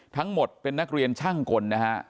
ทั้งหมดเป็นนักเรียนช่างกลนะฮะ